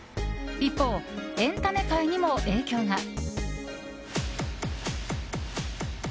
一方、エンタメ界にも影響が。